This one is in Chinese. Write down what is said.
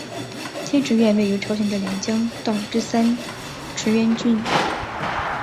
天池院位于朝鲜的两江道之三池渊郡。